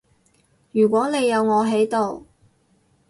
如果你有我喺度